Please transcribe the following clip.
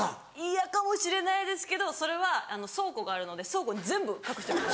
嫌かもしれないですけどそれは倉庫があるので倉庫に全部隠しておきます。